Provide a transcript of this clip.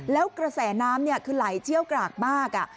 แล้วกระแสน้ำคือไหลเชี่ยวกรากมาก